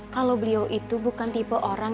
kalau beliau itu bukan tipe orang